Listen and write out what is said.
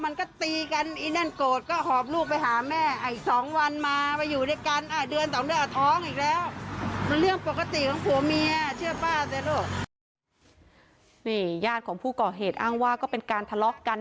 นี่ญาติของผู้ก่อเหตุอ้างว่าก็เป็นการทะเลาะกัน